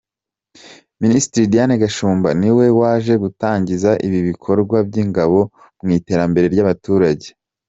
Ministre Diane Gashumba niwe waje gutangiza ibi bikorwa by’Ingabo mu iterambere ry’abaturage.